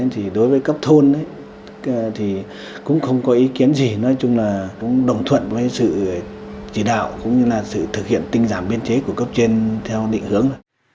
thì đối với cấp thôn thì cũng không có ý kiến gì nói chung là cũng đồng thuận với sự chỉ đạo cũng như là sự thực hiện tinh giảm biên chế của cấp trên theo định hướng